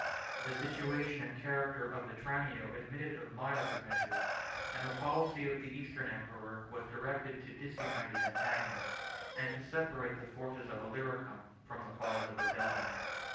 The situation and character of Vetranio admitted of milder measures; and the policy of the Eastern emperor was directed to disunite his antagonists, and to separate the forces of Illyricum from the cause of rebellion.